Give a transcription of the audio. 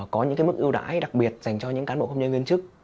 có những mức ưu đãi đặc biệt dành cho những cán bộ công nhân viên chức